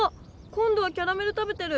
今どはキャラメル食べてる！